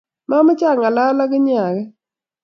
mamoche angalal ak inye akeny.